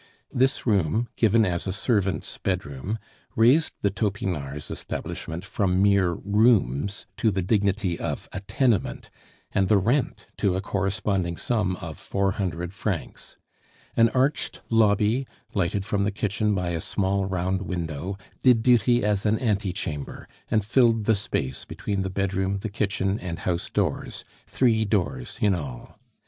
This room, given as a servants' bedroom, raised the Topinards' establishment from mere "rooms" to the dignity of a tenement, and the rent to a corresponding sum of four hundred francs. An arched lobby, lighted from the kitchen by a small round window, did duty as an ante chamber, and filled the space between the bedroom, the kitchen, and house doors three doors in all.